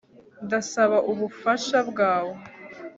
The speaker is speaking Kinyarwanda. Ndasaba ubufasha bwawe